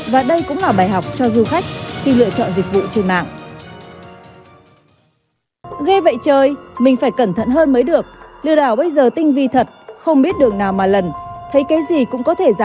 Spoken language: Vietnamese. và đây cũng là bài học cho du khách khi lựa chọn dịch vụ trên mạng